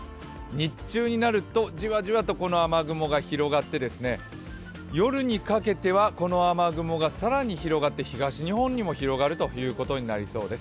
日中になると、じわじわとこの雨雲が広がって夜にかけてはこの雨雲が更に広がって、東日本にも広がるということになりそうです。